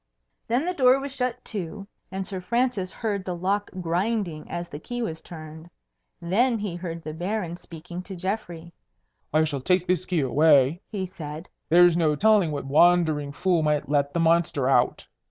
Then the door was shut to, and Sir Francis heard the lock grinding as the key was turned. Then he heard the Baron speaking to Geoffrey. "I shall take this key away," he said; "there's no telling what wandering fool might let the monster out.